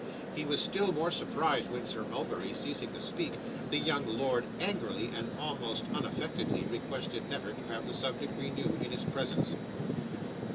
He was still more surprised when, Sir Mulberry ceasing to speak, the young lord angrily, and almost unaffectedly, requested never to have the subject renewed in his presence.